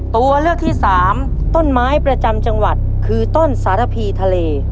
ตัวเลือกที่สามต้นไม้ประจำจังหวัดคือต้นสารพีทะเล